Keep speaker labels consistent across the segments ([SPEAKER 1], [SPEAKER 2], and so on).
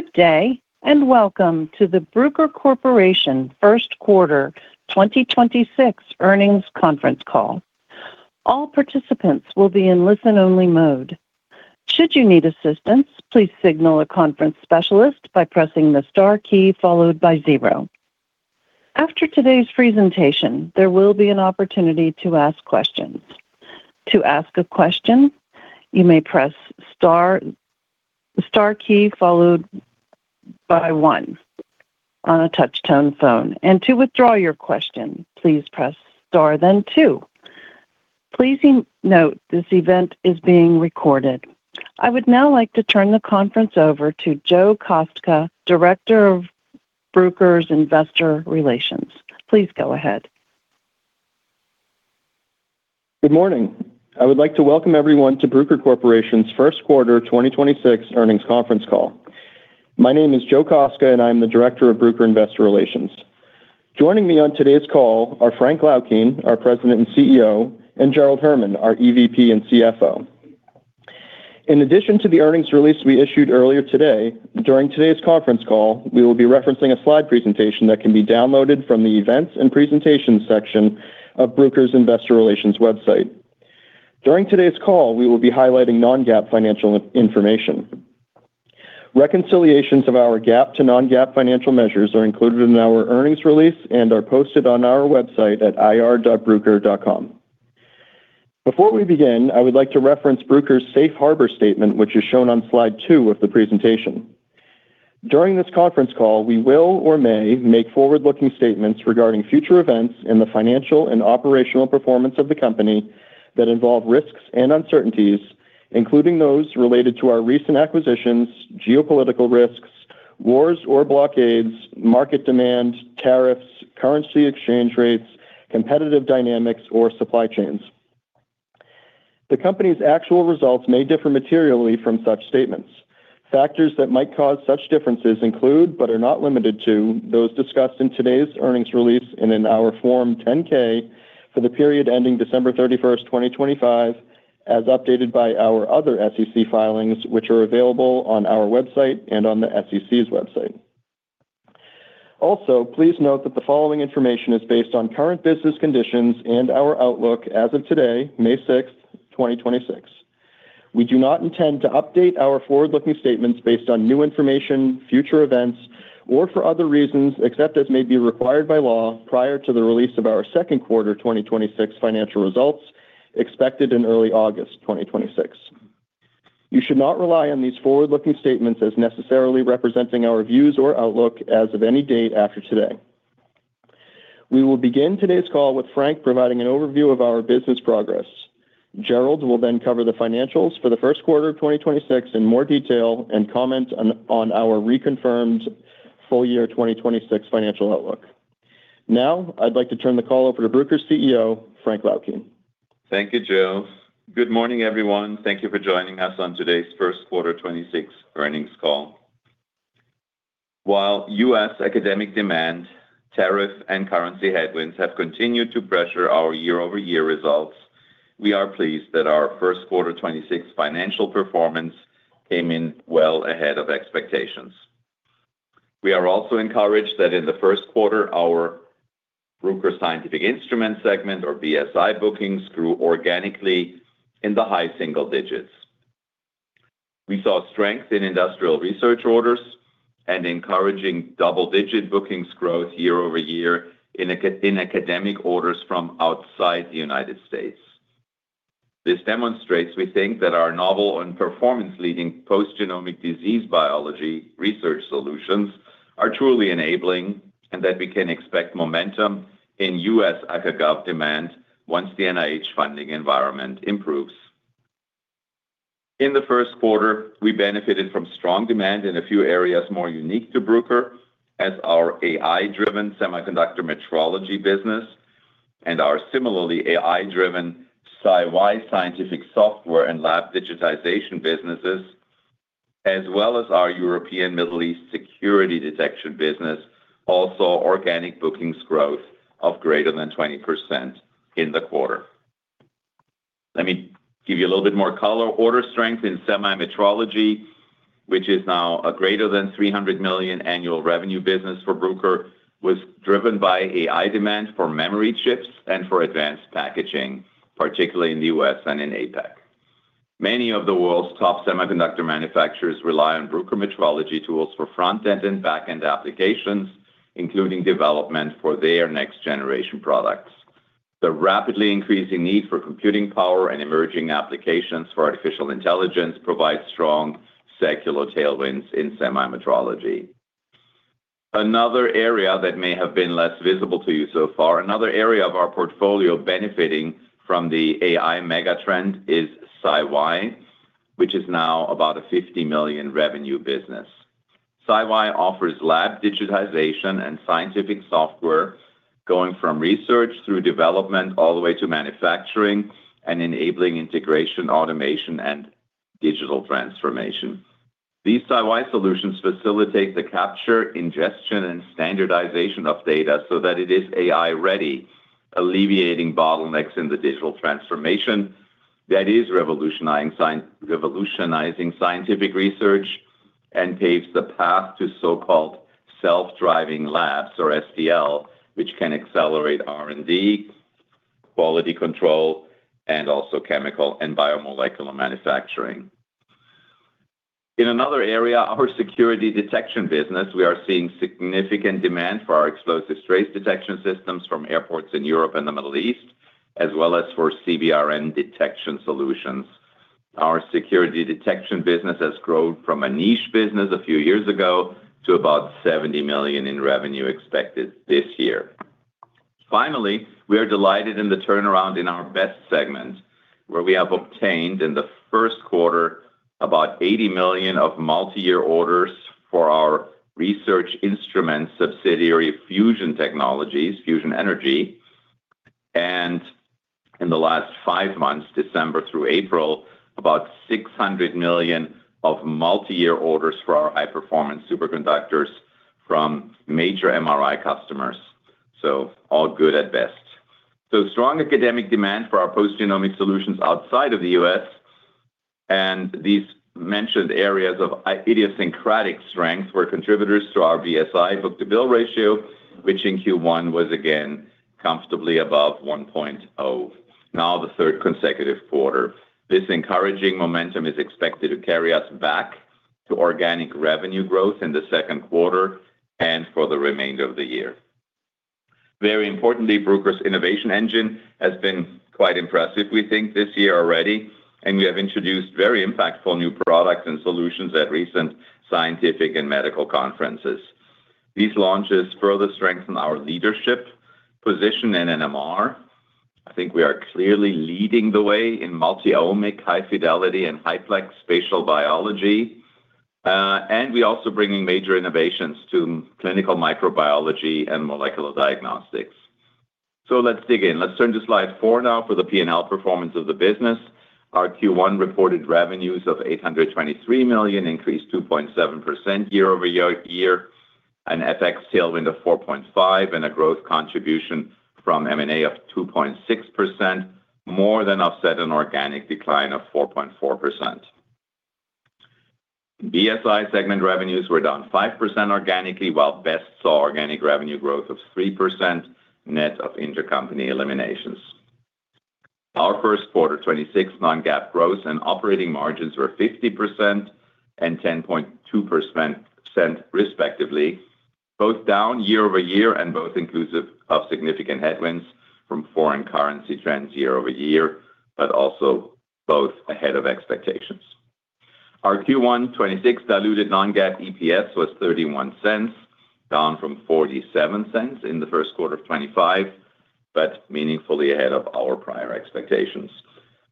[SPEAKER 1] Good day, and welcome to the Bruker Corporation First Quarter 2026 Earnings Conference Call. I would now like to turn the conference over to Joe Kostka, Director of Bruker's Investor Relations. Please go ahead.
[SPEAKER 2] Good morning. I would like to welcome everyone to Bruker Corporation's First Quarter 2026 Earnings Conference Call. My name is Joe Kostka, and I'm the Director of Bruker Investor Relations. Joining me on today's call are Frank Laukien, our President and CEO, and Gerald Herman, our EVP and CFO. In addition to the earnings release we issued earlier today, during today's conference call, we will be referencing a slide presentation that can be downloaded from the Events and Presentation section of Bruker's Investor Relations website. During today's call, we will be highlighting non-GAAP financial information. Reconciliations of our GAAP to non-GAAP financial measures are included in our earnings release and are posted on our website at ir.bruker.com. Before we begin, I would like to reference Bruker's Safe Harbor statement, which is shown on slide two of the presentation. During this conference call, we will or may make forward-looking statements regarding future events in the financial and operational performance of the company that involve risks and uncertainties, including those related to our recent acquisitions, geopolitical risks, wars or blockades, market demand, tariffs, currency exchange rates, competitive dynamics, or supply chains. The company's actual results may differ materially from such statements. Factors that might cause such differences include, but are not limited to, those discussed in today's earnings release and in our Form 10-K for the period ending December 31st, 2025, as updated by our other SEC filings, which are available on our website and on the SEC's website. Also, please note that the following information is based on current business conditions and our outlook as of today, May 6th, 2026. We do not intend to update our forward-looking statements based on new information, future events, or for other reasons, except as may be required by law prior to the release of our second quarter 2026 financial results expected in early August 2026. You should not rely on these forward-looking statements as necessarily representing our views or outlook as of any date after today. We will begin today's call with Frank providing an overview of our business progress. Gerald will then cover the financials for the first quarter of 2026 in more detail and comment on our reconfirmed full-year 2026 financial outlook. Now, I'd like to turn the call over to Bruker's CEO, Frank Laukien.
[SPEAKER 3] Thank you, Joe. Good morning, everyone. Thank you for joining us on today's first quarter 2026 earnings call. While U.S. academic demand, tariff, and currency headwinds have continued to pressure our year-over-year results, we are pleased that our first quarter 2026 financial performance came in well ahead of expectations. We are also encouraged that in the first quarter, our Bruker Scientific Instruments segment or BSI bookings grew organically in the high single digits. We saw strength in industrial research orders and encouraging double-digit bookings growth year-over-year in academic orders from outside the United States. This demonstrates, we think, that our novel and performance-leading post-genomic disease biology research solutions are truly enabling, and that we can expect momentum in U.S. ACA/GOV demand once the NIH funding environment improves. In the first quarter, we benefited from strong demand in a few areas more unique to Bruker as our AI-driven semiconductor metrology business and our similarly AI-driven SciY Scientific Software and lab digitization businesses, as well as our European Middle East security detection business, also organic bookings growth of greater than 20% in the quarter. Let me give you a little bit more color. Order strength in semi-metrology, which is now a greater than $300 million annual revenue business for Bruker, was driven by AI demand for memory chips and for advanced packaging, particularly in the U.S. and in APAC. Many of the world's top semiconductor manufacturers rely on Bruker metrology tools for front-end and back-end applications, including development for their next-generation products. The rapidly increasing need for computing power and emerging applications for artificial intelligence provides strong secular tailwinds in semi-metrology. Another area that may have been less visible to you so far, another area of our portfolio benefiting from the AI mega trend is SciY, which is now about a $50 million revenue business. SciY offers lab digitization and scientific software going from research through development all the way to manufacturing and enabling integration, automation, and digital transformation. These SciY solutions facilitate the capture, ingestion, and standardization of data so that it is AI-ready, alleviating bottlenecks in the digital transformation that is revolutionizing scientific research and paves the path to so-called self-driving labs or SDL, which can accelerate R&D, quality control, and also chemical and biomolecular manufacturing. In another area, our security detection business, we are seeing significant demand for our explosive trace detection systems from airports in Europe and the Middle East, as well as for CBRNE detection solutions. Our security detection business has grown from a niche business a few years ago to about $70 million in revenue expected this year. Finally, we are delighted in the turnaround in our BEST segment, where we have obtained in the first quarter about $80 million of multi-year orders for our research instruments subsidiary fusion technology, fusion energy, and in the last five months, December through April, about $600 million of multi-year orders for our high-performance superconductors from major MRI customers. All good at BEST. Strong academic demand for our post-genomic solutions outside of the U.S. and these mentioned areas of idiosyncratic strength were contributors to our BSI book-to-bill ratio, which in Q1 was again comfortably above 1.0, now the third consecutive quarter. This encouraging momentum is expected to carry us back to organic revenue growth in the second quarter and for the remainder of the year. Very importantly, Bruker's innovation engine has been quite impressive, we think, this year already, and we have introduced very impactful new products and solutions at recent scientific and medical conferences. These launches further strengthen our leadership position in NMR. I think we are clearly leading the way in multiomic, high-fidelity, and high-plex spatial biology, and we're also bringing major innovations to clinical microbiology and molecular diagnostics. Let's dig in. Let's turn to slide four now for the P&L performance of the business. Our Q1 reported revenues of $823 million increased 2.7% year-over-year, an FX tailwind of 4.5 and a growth contribution from M&A of 2.6% more than offset an organic decline of 4.4%. BSI segment revenues were down 5% organically, while BEST saw organic revenue growth of 3% net of intercompany eliminations. Our first quarter 2026 non-GAAP gross and operating margins were 50% and 10.2%, respectively, both down year-over-year and both inclusive of significant headwinds from foreign currency trends year-over-year, but also both ahead of expectations. Our Q1 2026 diluted non-GAAP EPS was $0.31, down from $0.47 in the first quarter of 2025, but meaningfully ahead of our prior expectations.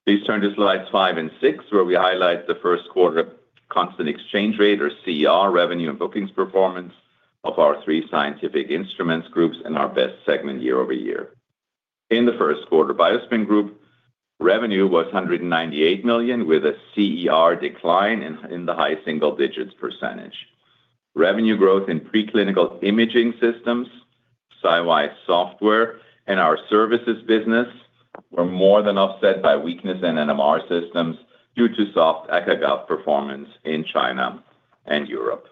[SPEAKER 3] Please turn to slides five and six, where we highlight the first quarter constant exchange rate or CER revenue and bookings performance of our three scientific instruments groups and our BEST segment year-over-year. In the first quarter, BioSpin Group revenue was $198 million, with a CER decline in the high single digits %. Revenue growth in preclinical imaging systems, SciY Software, and our services business were more than offset by weakness in NMR systems due to soft ACA/GOV performance in China and Europe.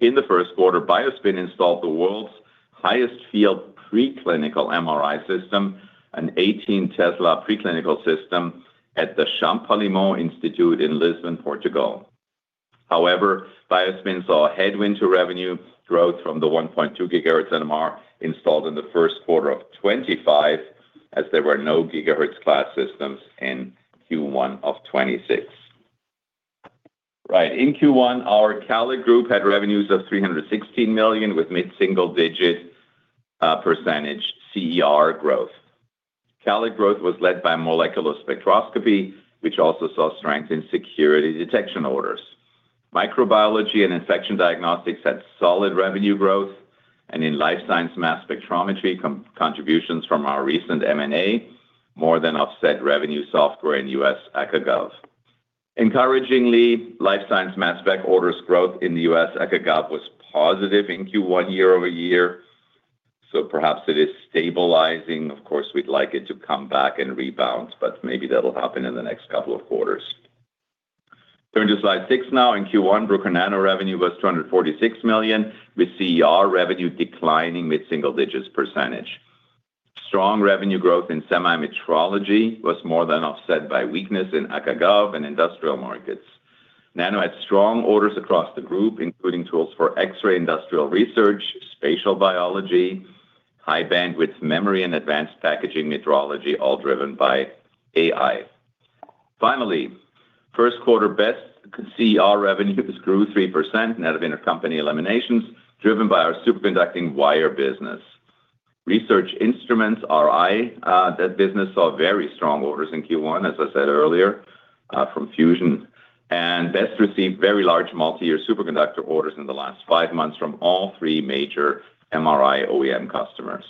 [SPEAKER 3] In the first quarter, BioSpin installed the world's highest field preclinical MRI system, an 18 Tesla preclinical system at the Champalimaud Foundation in Lisbon, Portugal. However BioSpin saw a headwind to revenue growth from the 1.2 GHz NMR installed in the first quarter of 2025, as there were no gigahertz class systems in Q1 of 2026. Right. In Q1, our CALID Group had revenues of $316 million, with mid-single-digit percentage CER growth. CALID growth was led by molecular spectroscopy, which also saw strength in security detection orders. Microbiology and infection diagnostics had solid revenue growth, and in life science mass spectrometry, contributions from our recent M&A more than offset revenue softness in U.S. ACA/GOV. Encouragingly, life science mass spec orders growth in the U.S. ACA/GOV was positive in Q1 year-over-year. Perhaps it is stabilizing. Of course, we would like it to come back and rebound, but maybe that will happen in the next couple of quarters. Turn to slide six now. In Q1, Bruker Nano revenue was $246 million, with CER revenue declining mid-single digits %. Strong revenue growth in semi-metrology was more than offset by weakness in Acad/Gov and industrial markets. Nano had strong orders across the group, including tools for X-ray industrial research, spatial biology, high bandwidth memory, and advanced packaging metrology, all driven by AI. First quarter BEST CER revenues grew 3% net of intercompany eliminations, driven by our superconducting wire business. Research instruments, RI, that business saw very strong orders in Q1, as I said earlier, from Fusion. BEST received very large multi-year superconductor orders in the last five months from all three major MRI OEM customers.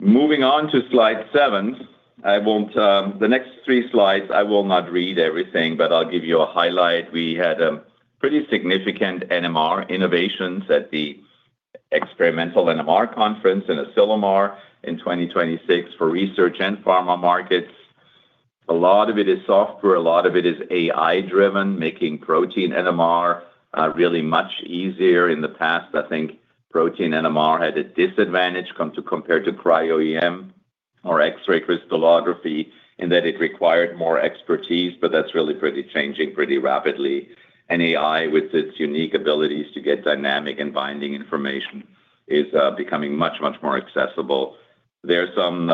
[SPEAKER 3] Moving on to slide seven, I won't, the next three slides, I will not read everything, but I'll give you a highlight. We had pretty significant NMR innovations at the Experimental NMR conference in Asilomar in 2026 for research and pharma markets. A lot of it is software, a lot of it is AI-driven, making protein NMR really much easier. In the past, I think protein NMR had a disadvantage compared to Cryo-EM or X-ray crystallography in that it required more expertise, but that's really pretty changing pretty rapidly. AI, with its unique abilities to get dynamic and binding information, is becoming much more accessible. There are some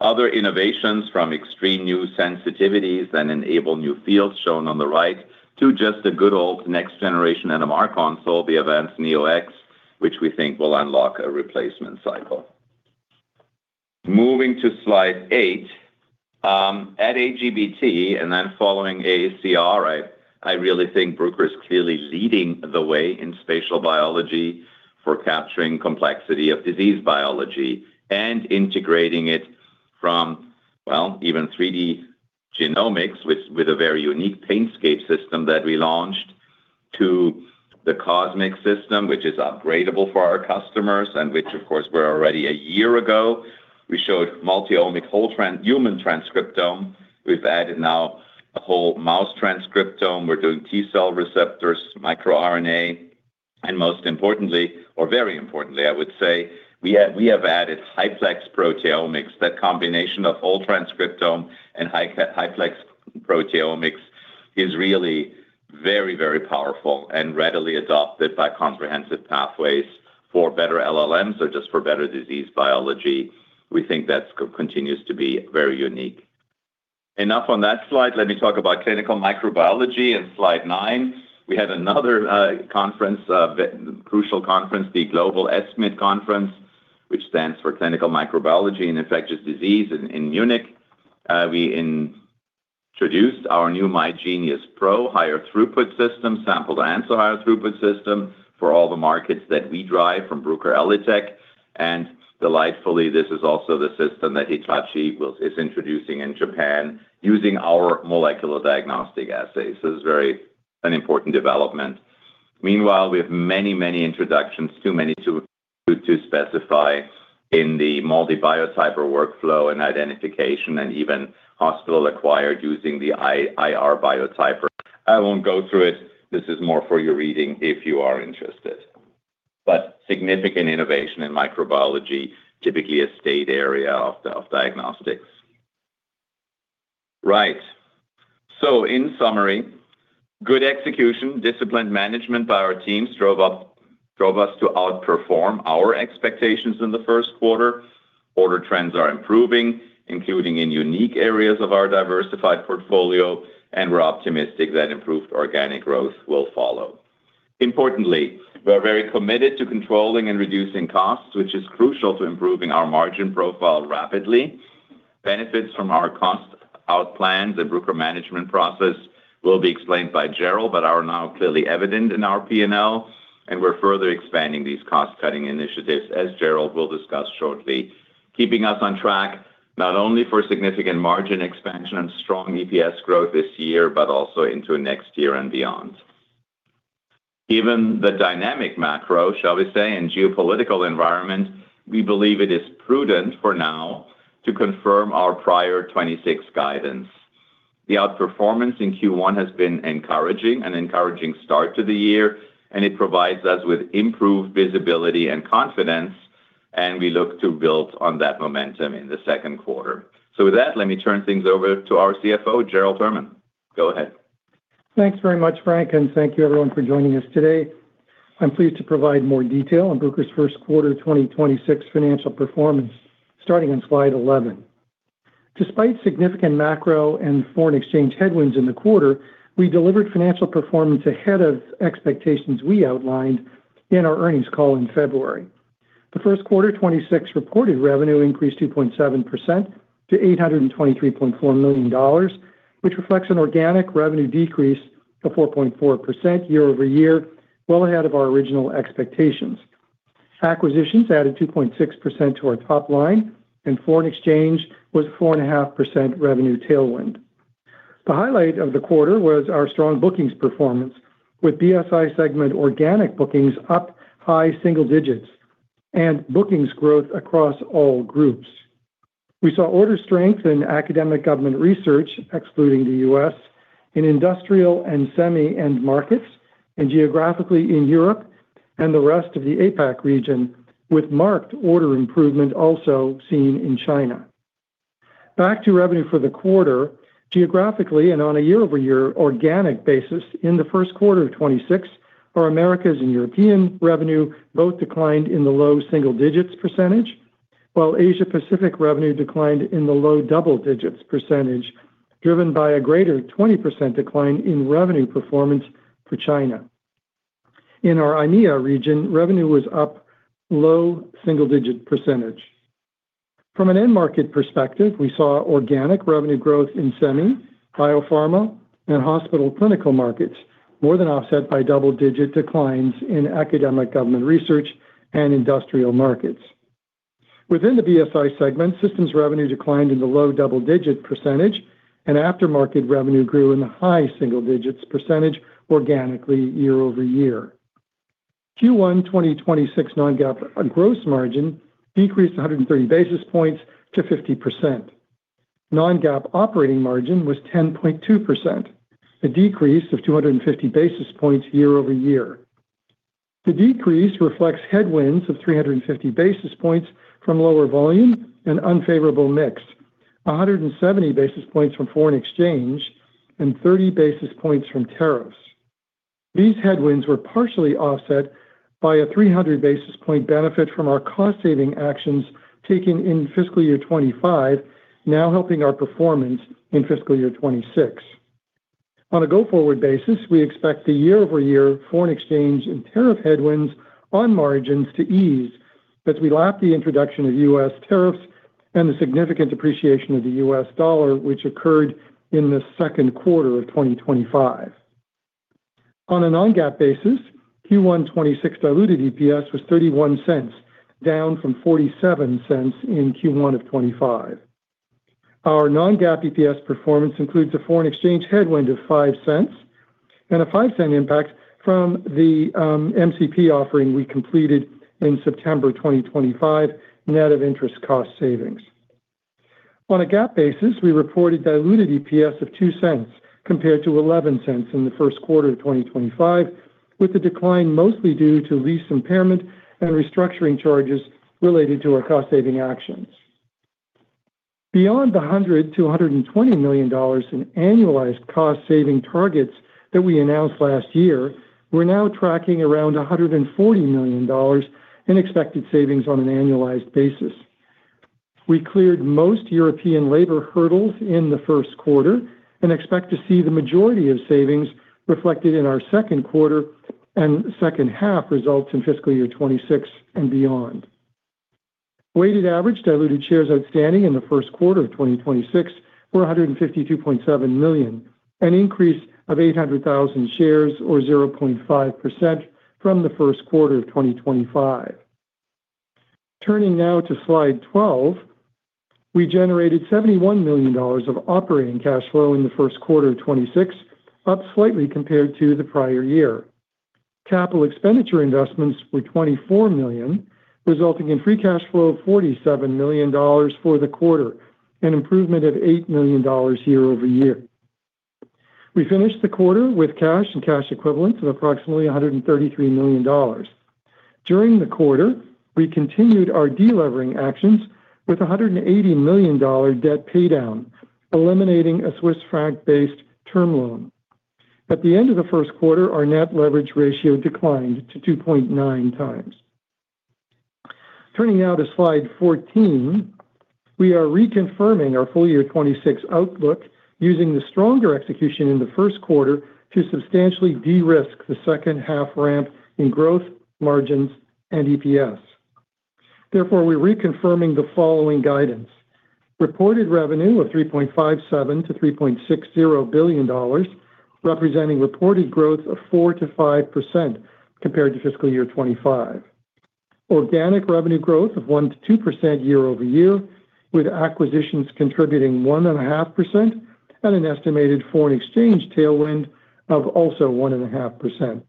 [SPEAKER 3] other innovations from extreme new sensitivities that enable new fields, shown on the right, to just the good old next-generation NMR console, the AVANCE NEO-X, which we think will unlock a replacement cycle. Moving to slide eight, at AGBT, then following AACR, I really think Bruker is clearly leading the way in spatial biology for capturing complexity of disease biology and integrating it from, well, even 3D genomics with a very unique PaintScape system that we launched to the CosMx system, which is upgradable for our customers and which, of course, we're already one year ago, we showed multiomic whole human transcriptome. We've added now the whole mouse transcriptome. We're doing T-cell receptors, microRNA. Most importantly, or very importantly, I would say, we have added HiPLEX proteomics. That combination of whole transcriptome and HiPLEX proteomics is really very powerful and readily adopted by comprehensive pathways for better LLMs or just for better disease biology. We think that's continues to be very unique. Enough on that slide. Let me talk about clinical microbiology in slide nine. We had another conference, crucial conference, the Global ESCMID conference, which stands for Clinical Microbiology in Infectious Disease in Munich. We introduced our new MyGenius PRO High-Throughput system, Sample-to-Answer High-Throughput system for all the markets that we drive from Bruker ELITech. Delightfully, this is also the system that Hitachi is introducing in Japan using our molecular diagnostic assays. This is very an important development. Meanwhile, we have many introductions, too many to specify in the MALDI Biotyper workflow and identification and even hospital-acquired using the IR Biotyper. I won't go through it. This is more for your reading if you are interested. Significant innovation in microbiology, typically a stale area of diagnostics. Right. In summary, good execution, disciplined management by our teams drove us to outperform our expectations in the first quarter. Order trends are improving, including in unique areas of our diversified portfolio, and we're optimistic that improved organic growth will follow. Importantly, we're very committed to controlling and reducing costs, which is crucial to improving our margin profile rapidly. Benefits from our cost out plans and Bruker Management Process will be explained by Gerald, but are now clearly evident in our P&L, and we're further expanding these cost-cutting initiatives, as Gerald will discuss shortly, keeping us on track not only for significant margin expansion and strong EPS growth this year, but also into next year and beyond. Given the dynamic macro, shall we say, and geopolitical environment, we believe it is prudent for now to confirm our prior 2026 guidance. The outperformance in Q1 has been encouraging, an encouraging start to the year, and it provides us with improved visibility and confidence, and we look to build on that momentum in the second quarter. With that, let me turn things over to our CFO, Gerald Herman. Go ahead.
[SPEAKER 4] Thanks very much, Frank, and thank you everyone for joining us today. I'm pleased to provide more detail on Bruker's first quarter 2026 financial performance starting on slide 11. Despite significant macro and foreign exchange headwinds in the quarter, we delivered financial performance ahead of expectations we outlined in our earnings call in February. The first quarter 2026 reported revenue increased 2.7% to $823.4 million, which reflects an organic revenue decrease of 4.4% year-over-year, well ahead of our original expectations. Acquisitions added 2.6% to our top line, and foreign exchange was 4.5% revenue tailwind. The highlight of the quarter was our strong bookings performance with BSI segment organic bookings up high single digits and bookings growth across all groups. We saw order strength in Academic Government research, excluding the U.S., in industrial and semi-end markets, and geographically in Europe and the rest of the APAC region, with marked order improvement also seen in China. Back to revenue for the quarter, geographically and on a year-over-year organic basis in the first quarter of 2026, our Americas and European revenue both declined in the low single-digits percentage, while Asia-Pacific revenue declined in the low double-digits percentage, driven by a greater 20% decline in revenue performance for China. In our EMEA region, revenue was up low single-digit %. From an end market perspective, we saw organic revenue growth in semi, biopharma, and hospital clinical markets more than offset by double-digit declines in academic government research and industrial markets. Within the BSI segment, systems revenue declined in the low double-digit percentage and aftermarket revenue grew in the high single digits percentage organically year-over-year. Q1 2026 non-GAAP gross margin decreased 130 basis points to 50%. Non-GAAP operating margin was 10.2%, a decrease of 250 basis points year-over-year. The decrease reflects headwinds of 350 basis points from lower volume and unfavorable mix, 170 basis points from foreign exchange, and 30 basis points from tariffs. These headwinds were partially offset by a 300 basis point benefit from our cost-saving actions taken in fiscal year 2025, now helping our performance in fiscal year 2026. On a go-forward basis, we expect the year-over-year foreign exchange and tariff headwinds on margins to ease as we lap the introduction of U.S. tariffs and the significant depreciation of the U.S. dollar, which occurred in the second quarter of 2025. On a non-GAAP basis, Q1 2026 diluted EPS was $0.31, down from $0.47 in Q1 of 2025. Our non-GAAP EPS performance includes a foreign exchange headwind of $0.05 and a $0.05 impact from the MCP offering we completed in September 2025, net of interest cost savings. On a GAAP basis, we reported diluted EPS of $0.02 compared to $0.11 in the first quarter of 2025, with the decline mostly due to lease impairment and restructuring charges related to our cost-saving actions. Beyond the $100 million-$120 million in annualized cost-saving targets that we announced last year, we're now tracking around $140 million in expected savings on an annualized basis. We cleared most European labor hurdles in the first quarter and expect to see the majority of savings reflected in our second quarter and second half results in fiscal year 2026 and beyond. Weighted average diluted shares outstanding in the first quarter of 2026 were 152.7 million, an increase of 800,000 shares or 0.5% from the first quarter of 2025. Turning now to slide 12, we generated $71 million of operating cash flow in the first quarter of 2026, up slightly compared to the prior year. Capital expenditure investments were $24 million, resulting in free cash flow of $47 million for the quarter, an improvement of $8 million year-over-year. We finished the quarter with cash and cash equivalents of approximately $133 million. During the quarter, we continued our de-levering actions with a $180 million debt paydown, eliminating a Swiss franc-based term loan. At the end of the first quarter, our net leverage ratio declined to 2.9x. Turning now to slide 14, we are reconfirming our full year 2026 outlook using the stronger execution in the first quarter to substantially de-risk the second half ramp in growth margins and EPS. We're reconfirming the following guidance. Reported revenue of $3.57 billion-$3.60 billion, representing reported growth of 4%-5% compared to fiscal year 2025. Organic revenue growth of 1%-2% year-over-year, with acquisitions contributing one and a half % and an estimated foreign exchange tailwind of also one and a half %.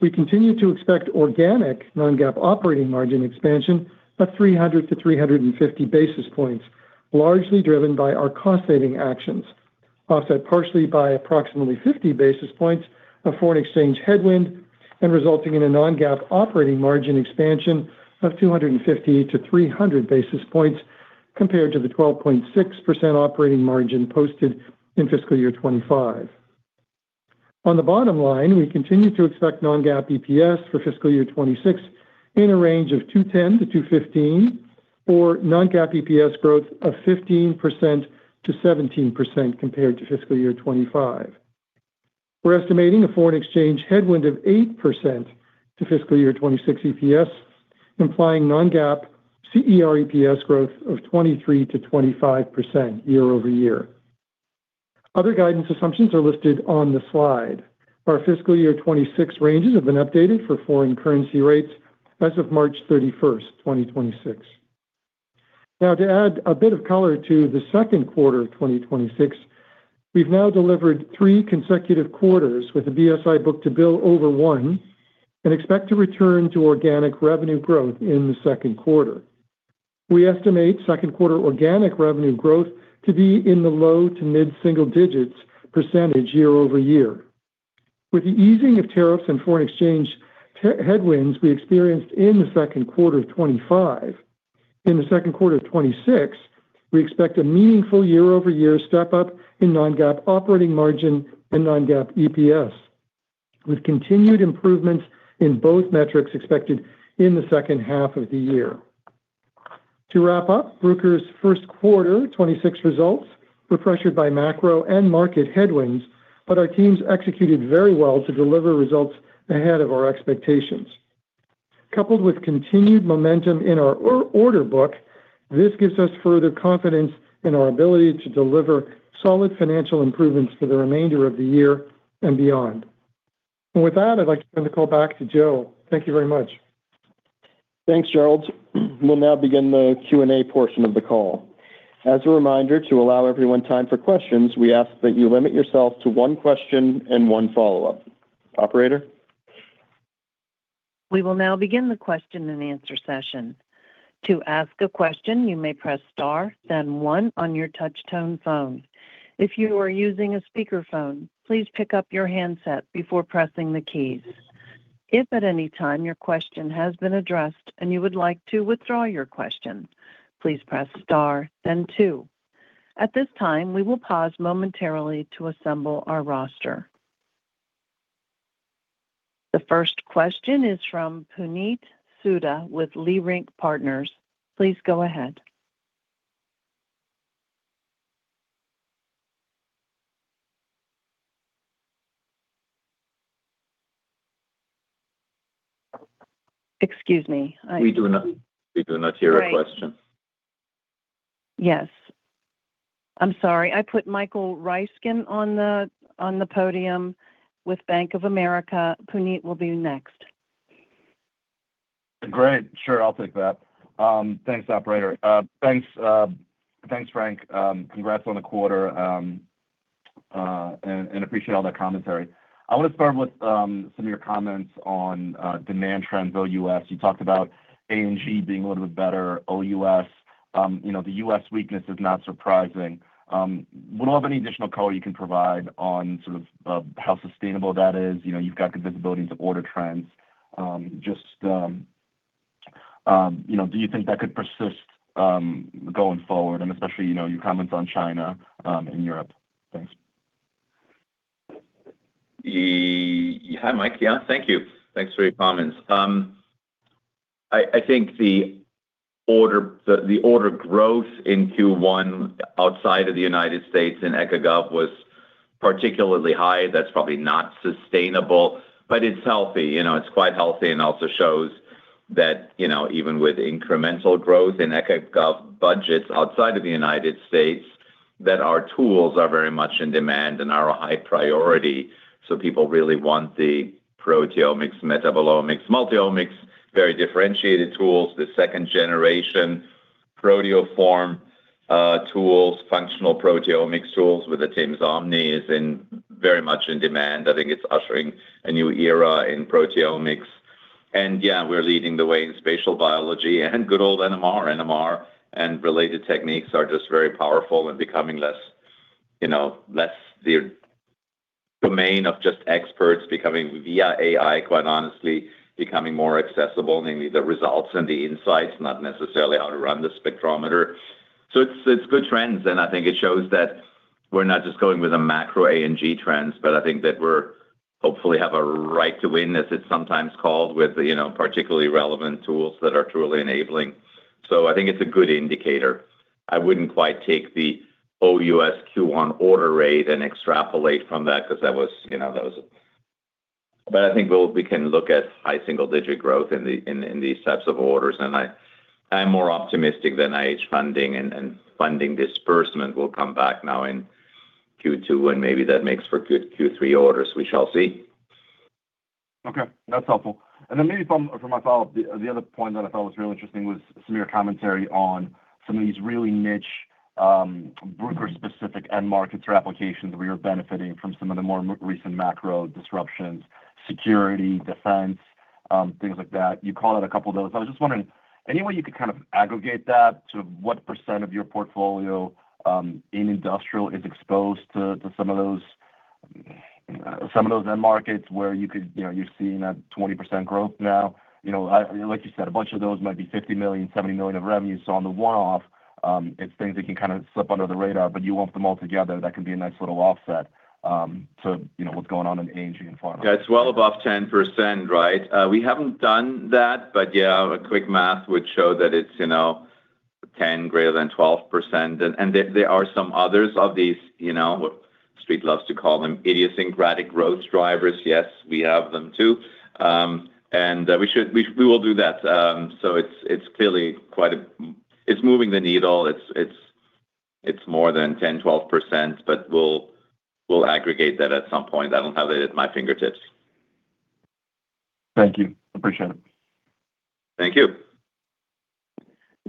[SPEAKER 4] We continue to expect organic non-GAAP operating margin expansion of 300 to 350 basis points, largely driven by our cost-saving actions, offset partially by approximately 50 basis points of foreign exchange headwind and resulting in a non-GAAP operating margin expansion of 250 to 300 basis points compared to the 12.6% operating margin posted in fiscal year 2025. On the bottom line, we continue to expect non-GAAP EPS for fiscal year 2026 in a range of $2.10-$2.15 or non-GAAP EPS growth of 15%-17% compared to fiscal year 2025. We're estimating a foreign exchange headwind of 8% to fiscal year 2026 EPS, implying non-GAAP CER EPS growth of 23%-25% year-over-year. Other guidance assumptions are listed on the slide. Our fiscal year 2026 ranges have been updated for foreign currency rates as of March 31, 2026. Now to add a bit of color to the second quarter of 2026, we've now delivered three consecutive quarters with a BSI book-to-bill over one and expect to return to organic revenue growth in the second quarter. We estimate second quarter organic revenue growth to be in the low to mid-single-digits percentage year-over-year. With the easing of tariffs and foreign exchange headwinds we experienced in the second quarter of 2026, we expect a meaningful year-over-year step up in non-GAAP operating margin and non-GAAP EPS, with continued improvements in both metrics expected in the second half of the year. To wrap up, Bruker's first quarter 2026 results were pressured by macro and market headwinds, our teams executed very well to deliver results ahead of our expectations. Coupled with continued momentum in our order book, this gives us further confidence in our ability to deliver solid financial improvements for the remainder of the year and beyond. With that, I'd like to turn the call back to Joe Kostka. Thank you very much.
[SPEAKER 2] Thanks, Gerald. We'll now begin the Q&A portion of the call. As a reminder, to allow everyone time for questions, we ask that you limit yourself to one question and one follow-up. Operator.
[SPEAKER 1] We will now begin the question and answer session. To ask a question, you may press star, then 1 on your touch tone phone. If you are using a speaker phone, please pick up your handset before pressing the keys. If at any time your question has been addressed and you would like to withdraw your question, please press star, then 2. At this time, we will pause momentarily to assemble our roster. The first question is from Puneet Souda with Leerink Partners. Please go ahead. Excuse me.
[SPEAKER 3] We do not hear a question.
[SPEAKER 1] Great. Yes. I'm sorry. I put Michael Ryskin on the podium with Bank of America. Puneet will be next.
[SPEAKER 5] Great. Sure, I'll take that. Thanks, operator. Thanks, Frank. Congrats on the quarter, and appreciate all that commentary. I want to start with some of your comments on demand trends OUS. You talked about A&G being a little bit better, OUS. You know, the U.S. weakness is not surprising. What all of any additional color you can provide on sort of how sustainable that is. You know, you've got visibility into order trends. Just, you know, do you think that could persist going forward and especially, you know, your comments on China and Europe? Thanks.
[SPEAKER 3] Hi, Mike. Yeah, thank you. Thanks for your comments. I think the order growth in Q1 outside of the U.S. and ECIC Gov was particularly high. That's probably not sustainable, but it's healthy. You know, it's quite healthy and also shows that, you know, even with incremental growth in ECIC Gov budgets outside of the U.S., that our tools are very much in demand and are a high priority. People really want the proteomics, metabolomics, multi-omics, very differentiated tools. The second generation proteoform tools, functional proteomics tools with the timsOmni is in very much in demand. I think it's ushering a new era in proteomics. We're leading the way in spatial biology and good old NMR. NMR and related techniques are just very powerful and becoming less, you know, less the domain of just experts becoming via AI, quite honestly, becoming more accessible, namely the results and the insights, not necessarily how to run the spectrometer. It's good trends, and I think it shows that we're not just going with a macro A&G trends, but I think that we're hopefully have a right to win, as it's sometimes called, with, you know, particularly relevant tools that are truly enabling. I think it's a good indicator. I wouldn't quite take the OUS Q1 order rate and extrapolate from that because that was, you know. I think we can look at high single-digit growth in these types of orders. I'm more optimistic than NIH funding and funding disbursement will come back now in Q2, and maybe that makes for good Q3 orders. We shall see.
[SPEAKER 5] Okay, that's helpful. Then maybe from my follow-up, the other point that I thought was real interesting was some of your commentary on some of these really niche, Bruker specific end markets or applications where you're benefiting from some of the more recent macro disruptions, security, defense, things like that. You called out a couple of those. I was just wondering, any way you could kind of aggregate that to what percent of your portfolio in industrial is exposed to some of those, some of those end markets where you could, you know, you're seeing a 20% growth now. You know, like you said, a bunch of those might be $50 million, $70 million of revenue. On the one-off, it's things that can kind of slip under the radar, but you lump them all together, that can be a nice little offset, to, you know, what's going on in A&G and pharma.
[SPEAKER 3] Yeah, it's well above 10%, right? We haven't done that, but yeah, a quick math would show that it's, you know, 10 greater than 12%. There are some others of these, you know, street loves to call them idiosyncratic growth drivers. Yes, we have them too. We will do that. It's moving the needle. It's more than 10, 12%, but we'll aggregate that at some point. I don't have it at my fingertips.
[SPEAKER 5] Thank you. Appreciate it.
[SPEAKER 3] Thank you.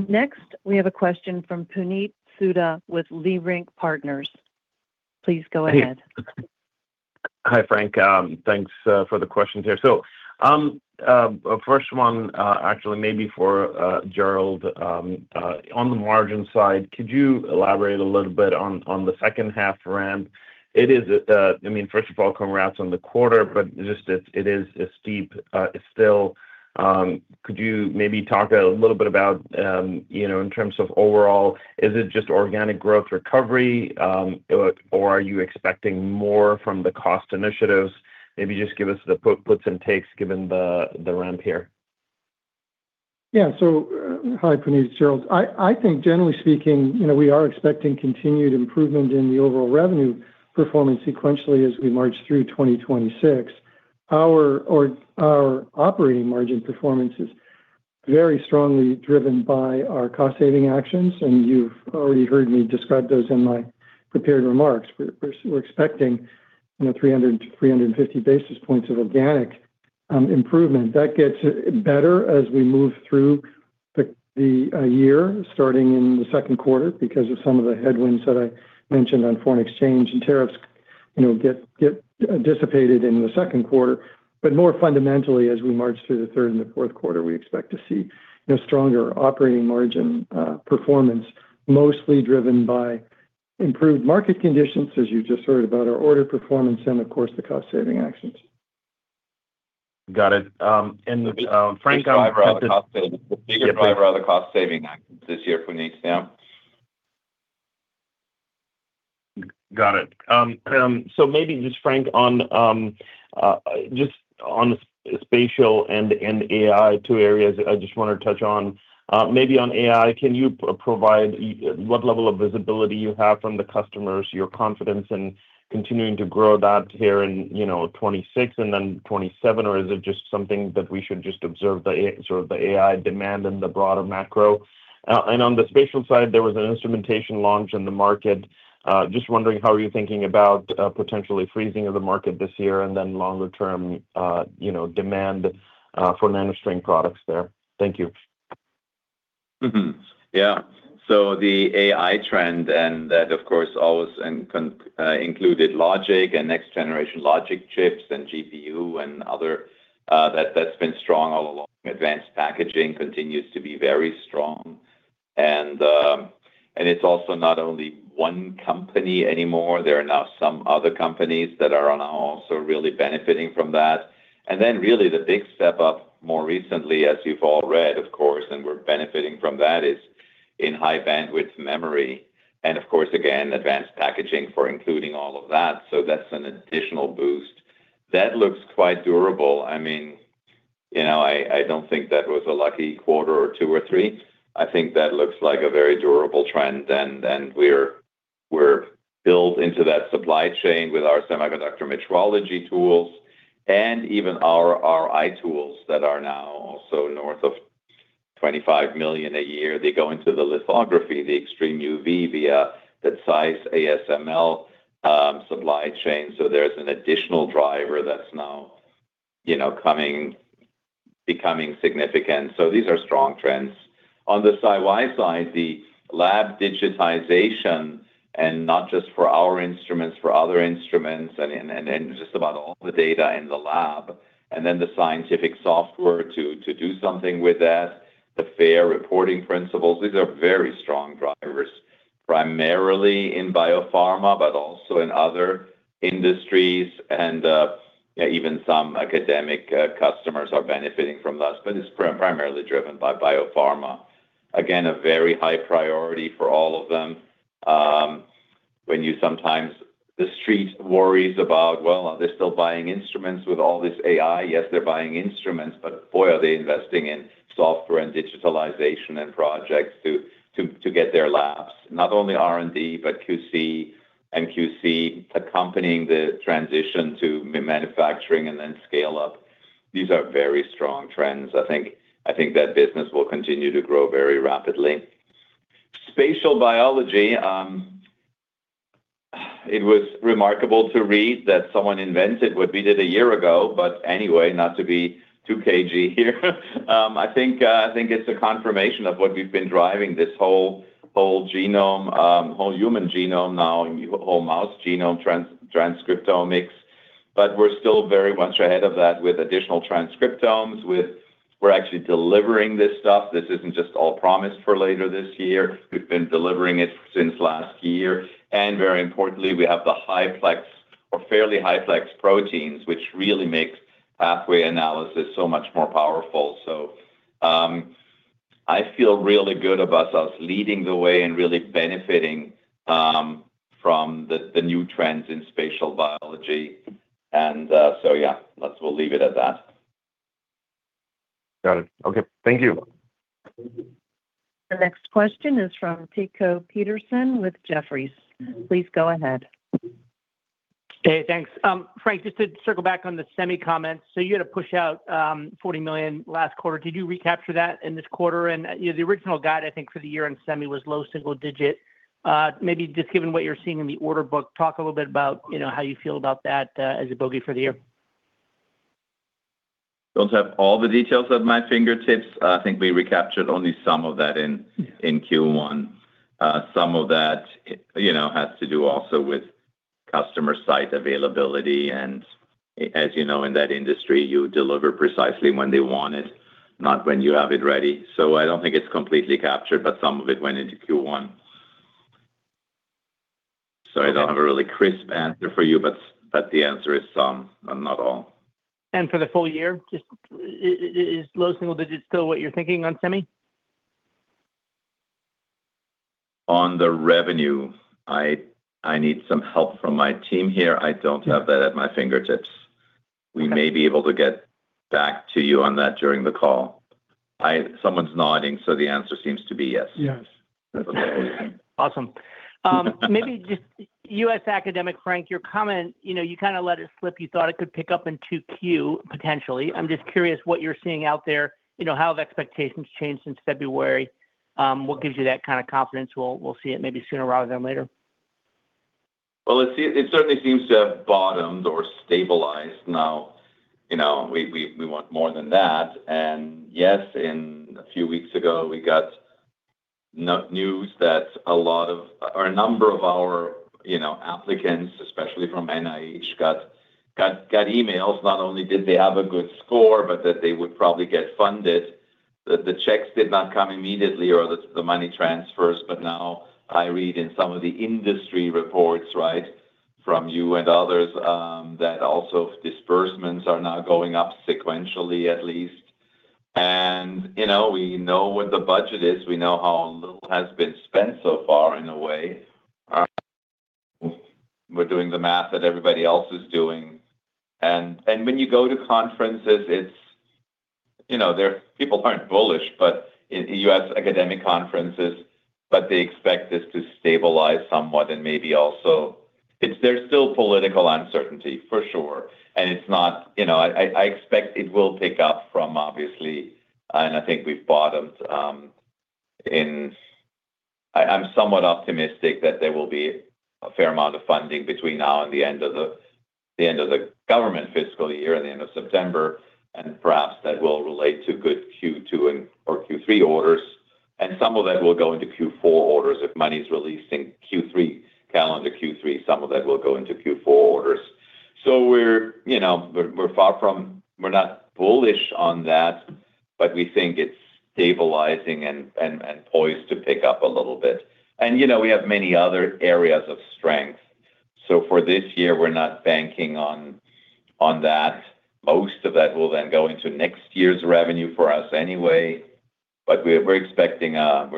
[SPEAKER 1] Next, we have a question from Puneet Souda with Leerink Partners. Please go ahead.
[SPEAKER 6] Hey. Hi, Frank. Thanks for the questions here. First one, actually maybe for Gerald. On the margin side, could you elaborate a little bit on the second half ramp? It is, I mean, first of all, congrats on the quarter, but just it is steep. Could you maybe talk a little bit about, you know, in terms of overall, is it just organic growth recovery, or are you expecting more from the cost initiatives? Maybe just give us the puts and takes given the ramp here.
[SPEAKER 4] Hi, Puneet. It's Gerald. I think generally speaking, you know, we are expecting continued improvement in the overall revenue performance sequentially as we march through 2026. Our operating margin performances very strongly driven by our cost saving actions, you've already heard me describe those in my prepared remarks. We're expecting, you know, 300 to 350 basis points of organic improvement. That gets better as we move through the year starting in Q2 because of some of the headwinds that I mentioned on foreign exchange and tariffs, you know, get dissipated in Q2. More fundamentally, as we march through the third and the fourth quarter, we expect to see, you know, stronger operating margin performance, mostly driven by improved market conditions, as you just heard about our order performance and of course the cost saving actions.
[SPEAKER 6] Got it. And Frank.
[SPEAKER 3] Big driver of the cost saving. The bigger driver of the cost saving this year from the exam.
[SPEAKER 6] Got it. Maybe just Frank on just on spatial and AI, two areas I just wanted to touch on. Maybe on AI, can you provide what level of visibility you have from the customers, your confidence in continuing to grow that here in, you know, 2026 and then 2027? Is it just something that we should just observe the AI demand and the broader macro? On the spatial side, there was an instrumentation launch in the market. Just wondering how you're thinking about potentially freezing of the market this year and then longer term, you know, demand for NanoString products there. Thank you.
[SPEAKER 3] The AI trend, and that of course always included logic and next generation logic chips and GPU and other, that's been strong all along. Advanced packaging continues to be very strong. It's also not only one company anymore. There are now some other companies that are now also really benefiting from that. Really the big step up more recently, as you've all read, of course, and we're benefiting from that, is in high bandwidth memory. Of course, again, advanced packaging for including all of that. That's an additional boost. That looks quite durable. I mean, you know, I don't think that was a lucky quarter or two or three. I think that looks like a very durable trend. We're built into that supply chain with our semiconductor metrology tools and even our RI tools that are now also north of $25 million a year. They go into the lithography, the EUV via the size ASML supply chain. There's an additional driver that's now, you know, becoming significant. These are strong trends. On the SciY side, the lab digitization, and not just for our instruments, for other instruments and just about all the data in the lab, and then the scientific software to do something with that, the fair reporting principles, these are very strong drivers, primarily in biopharma, but also in other industries. Even some academic customers are benefiting from this, but it's primarily driven by biopharma. Again, a very high priority for all of them. When the Street worries about, well, are they still buying instruments with all this AI? Yes, they're buying instruments, but boy, are they investing in software and digitalization and projects to get their labs. Not only R&D, but QC and QC accompanying the transition to manufacturing and then scale up. These are very strong trends. I think that business will continue to grow very rapidly. Spatial biology, it was remarkable to read that someone invented what we did a year ago. Anyway, not to be too cagey here, I think it's a confirmation of what we've been driving this whole genome, whole human genome now, whole mouse genome transcriptomics. We're still very much ahead of that with additional transcriptomes, with we're actually delivering this stuff. This isn't just all promised for later this year. We've been delivering it since last year. Very importantly, we have the HiPLEX or fairly HiPLEX proteins, which really makes pathway analysis so much more powerful. I feel really good about us leading the way and really benefiting from the new trends in spatial biology. Yeah, we'll leave it at that.
[SPEAKER 6] Got it. Okay. Thank you.
[SPEAKER 1] The next question is from Tycho Peterson with Jefferies. Please go ahead.
[SPEAKER 7] Hey, thanks. Frank, just to circle back on the semi comments. You had to push out, $40 million last quarter. Did you recapture that in this quarter? You know, the original guide, I think, for the year on semi was low single digit. Maybe just given what you're seeing in the order book, talk a little bit about, you know, how you feel about that as a bogey for the year.
[SPEAKER 3] Don't have all the details at my fingertips. I think we recaptured only some of that in Q1. Some of that, you know, has to do also with customer site availability. As you know, in that industry, you deliver precisely when they want it, not when you have it ready. I don't think it's completely captured, but some of it went into Q1. Sorry, I don't have a really crisp answer for you, but the answer is some and not all.
[SPEAKER 7] For the full year, is low single digits still what you're thinking on semi?
[SPEAKER 3] On the revenue, I need some help from my team here. I don't have that at my fingertips. We may be able to get back to you on that during the call. Someone's nodding, so the answer seems to be yes.
[SPEAKER 4] Yes.
[SPEAKER 7] Awesome. Maybe just U.S. academic, Frank, your comment, you know, you kind of let it slip, you thought it could pick up in 2Q, potentially. I'm just curious what you're seeing out there. You know, how have expectations changed since February? What gives you that kind of confidence we'll see it maybe sooner rather than later?
[SPEAKER 3] Well, it certainly seems to have bottomed or stabilized now. You know, we want more than that. Yes, in a few weeks ago, we got news that a lot of or a number of our, you know, applicants, especially from NIH, got emails. Not only did they have a good score, but that they would probably get funded. The checks did not come immediately or the money transfers, but now I read in some of the industry reports, right, from you and others, that also disbursements are now going up sequentially, at least. You know, we know what the budget is. We know how little has been spent so far in a way. We're doing the math that everybody else is doing. When you go to conferences, it's, you know, people aren't bullish, but in U.S. academic conferences, they expect this to stabilize somewhat. Maybe also there's still political uncertainty for sure. It's not, you know, I expect it will pick up from, obviously, and I think we've bottomed. I'm somewhat optimistic that there will be a fair amount of funding between now and the end of the government fiscal year and the end of September, perhaps that will relate to good Q2 and/or Q3 orders. Some of that will go into Q4 orders if money's released in Q3, calendar Q3. We're-- you know, we're far from-- We're not bullish on that, but we think it's stabilizing and poised to pick up a little bit. You know, we have many other areas of strength. For this year, we're not banking on that. Most of that will then go into next year's revenue for us anyway. We're expecting a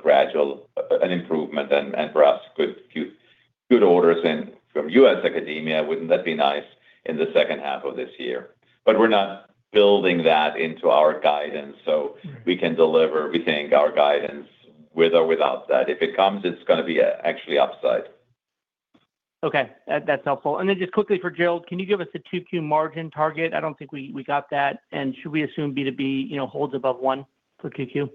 [SPEAKER 3] gradual improvement and perhaps good orders in from U.S. academia. Wouldn't that be nice in the second half of this year? We're not building that into our guidance, so we can deliver, we think, our guidance with or without that. If it comes, it's gonna be actually upside.
[SPEAKER 7] Okay. That's helpful. Then just quickly for Gerald, can you give us the 2Q margin target? I don't think we got that. Should we assume B2B, you know, holds above one for QQ?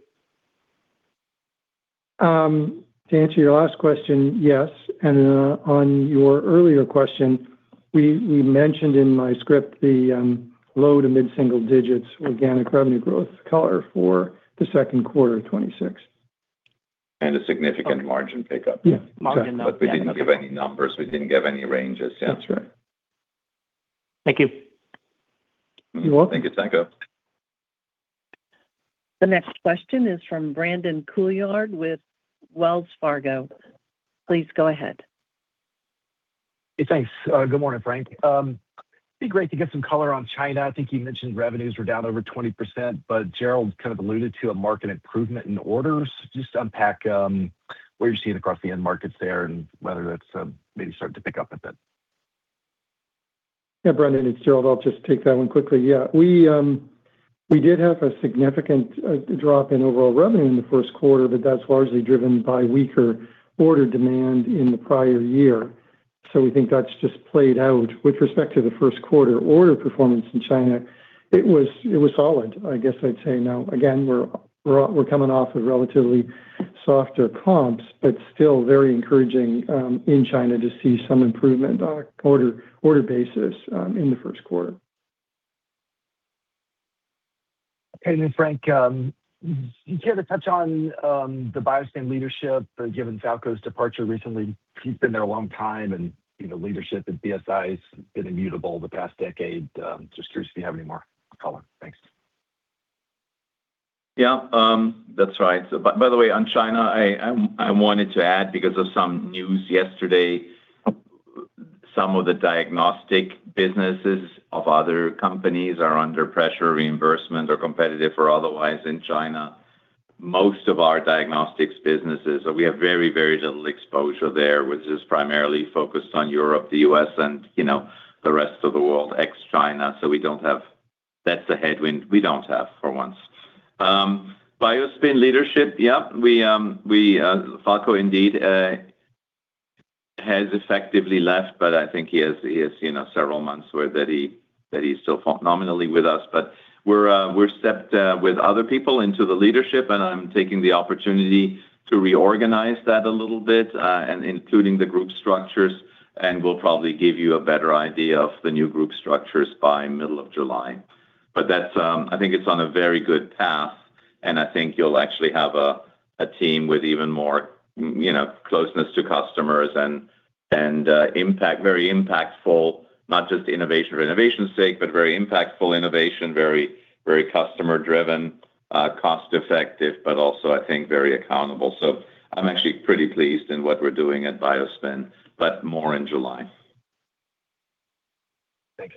[SPEAKER 4] To answer your last question, yes. On your earlier question, we mentioned in my script the low to mid-single digits organic revenue growth color for the second quarter of 2026.
[SPEAKER 3] A significant margin pickup.
[SPEAKER 4] Yeah.
[SPEAKER 7] Margin up, yeah.
[SPEAKER 3] We didn't give any numbers. We didn't give any ranges. That's right.
[SPEAKER 7] Thank you.
[SPEAKER 4] You're welcome.
[SPEAKER 3] Thank you Tycho.
[SPEAKER 1] The next question is from Brandon Couillard with Wells Fargo. Please go ahead.
[SPEAKER 8] Hey, thanks. Good morning, Frank. It'd be great to get some color on China. I think you mentioned revenues were down over 20%, but Gerald kind of alluded to a market improvement in orders. Just unpack what you're seeing across the end markets there and whether that's maybe starting to pick up a bit.
[SPEAKER 4] Yeah, Brandon, it's Gerald. I'll just take that one quickly. We did have a significant drop in overall revenue in the first quarter, but that's largely driven by weaker order demand in the prior year. We think that's just played out. With respect to the first quarter order performance in China, it was solid, I guess I'd say. Again, we're coming off of relatively softer comps, but still very encouraging in China to see some improvement on a quarter basis in the first quarter.
[SPEAKER 8] Okay. Frank, care to touch on the BioSpin leadership, given Falko's departure recently? He's been there a long time and, you know, leadership at BSI has been immutable the past decade. Just curious if you have any more color. Thanks.
[SPEAKER 3] That's right. By the way, on China, I wanted to add because of some news yesterday, some of the diagnostic businesses of other companies are under pressure, reimbursement or competitive or otherwise in China. Most of our diagnostics businesses, so we have very, very little exposure there, which is primarily focused on Europe, the U.S., and you know, the rest of the world, ex-China. That's a headwind we don't have for once. BioSpin leadership. We, Falko indeed, has effectively left, but I think he has, you know, several months where that he's still nominally with us. We're, we're stepped with other people into the leadership, and I'm taking the opportunity to reorganize that a little bit, and including the group structures, and we'll probably give you a better idea of the new group structures by middle of July. That's, I think it's on a very good path, and I think you'll actually have a team with even more, you know, closeness to customers and impact, very impactful, not just innovation for innovation's sake, but very impactful innovation, very customer driven, cost-effective, but also I think very accountable. I'm actually pretty pleased in what we're doing at BioSpin, but more in July.
[SPEAKER 8] Thanks.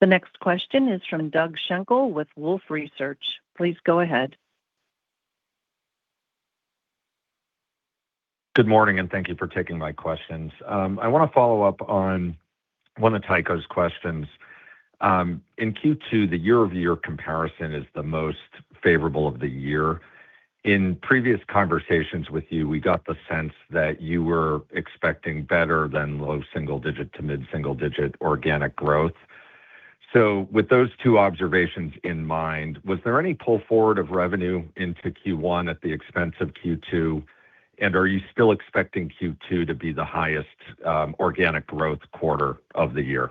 [SPEAKER 1] The next question is from Doug Schenkel with Wolfe Research. Please go ahead.
[SPEAKER 9] Good morning, and thank you for taking my questions. I want to follow up on one of Tycho's questions. In Q2, the year-over-year comparison is the most favorable of the year. In previous conversations with you, we got the sense that you were expecting better than low single-digit to mid-single-digit organic growth. With those two observations in mind, was there any pull forward of revenue into Q1 at the expense of Q2? Are you still expecting Q2 to be the highest organic growth quarter of the year?